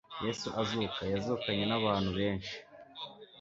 Yesu azuka, yazukanye n'abantu benshi.